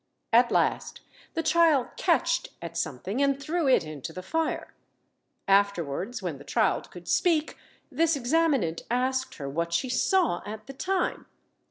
At last the child catched at something, and threw it into the fire. Afterwards, when the child could speak, this examinant asked her what she saw at the time?